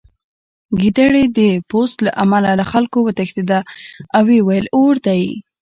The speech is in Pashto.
ګیدړې د پوست له امله له خلکو وتښتېده او ویې ویل اور دی